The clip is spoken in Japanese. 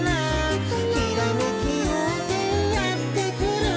「ひらめきようせいやってくる」